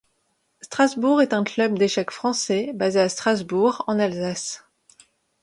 Strasbourg, est un club d'échecs français, basé à Strasbourg, en Alsace.